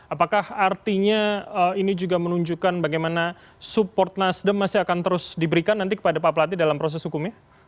apakah artinya ini juga menunjukkan bagaimana support nasdem masih akan terus diberikan nanti kepada pak pelati dalam proses hukumnya